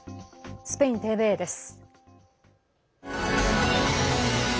スペインＴＶＥです。